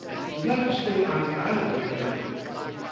"We got to stay on the island with 'im."